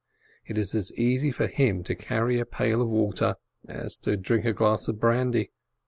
It is as easy for him to carry a pail of water as to drink a glass of brandy.